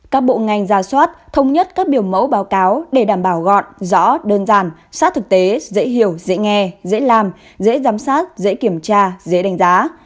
các bộ ngành ra soát thống nhất các biểu mẫu báo cáo để đảm bảo gọn rõ đơn giản sát thực tế dễ hiểu dễ nghe dễ làm dễ giám sát dễ kiểm tra dễ đánh giá